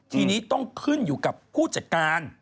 ทีนี้ต้องขึ้นอยู่กับผู้จัดการ